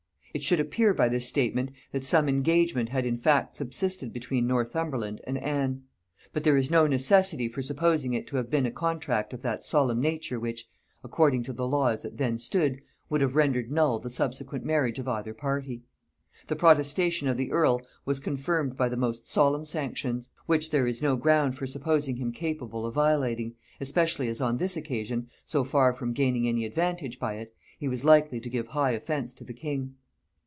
It should appear by this statement, that some engagement had in fact subsisted between Northumberland and Anne; but there is no necessity for supposing it to have been a contract of that solemn nature which, according to the law as it then stood, would have rendered null the subsequent marriage of either party. The protestation of the earl was confirmed by the most solemn sanctions; which there is no ground for supposing him capable of violating, especially as on this occasion, so far from gaining any advantage by it, he was likely to give high offence to the king.